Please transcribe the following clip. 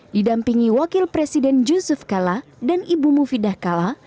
didampingi wakil presiden yusuf kala dan ibu mufidah kala